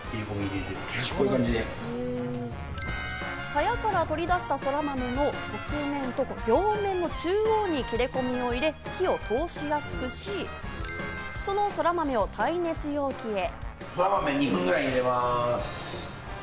サヤから取り出したそらまめの側面と両面の中央に切れ込みを入れ、火を通しやすくし、そのそらまめを耐熱容器へ。